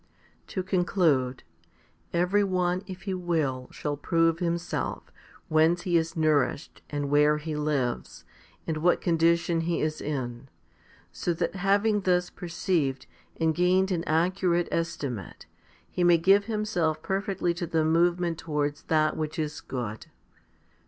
6. To conclude, every one, if he will, shall prove himself, whence he is nourished, and where he lives, and what con dition he is in, so that having thus perceived, and gained an accurate estimate, he may give himself perfectly to the movement towards that which is good.